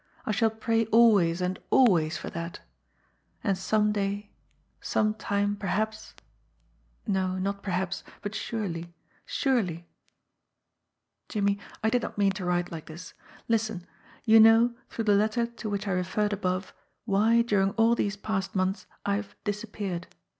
I shall pray always and always for that THE TOCSIN 15 And some day, some time perhaps no, not perhaps, but surely, surely ... "Jimmie, I did not mean to write like this. Listen! You know, through the letter to which I referred above, why during all these past months I have 'disappeared.'